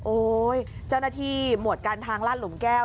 เจ้าหน้าที่หมวดการทางลาดหลุมแก้ว